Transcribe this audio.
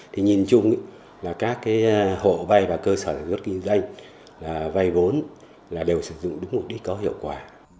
thì nhìn chung là các hộ vay và cơ sở sản xuất kinh doanh vay vốn là đều sử dụng đúng mục đích có hiệu quả